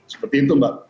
seperti itu mbak